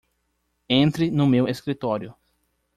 Entre no meu escritório!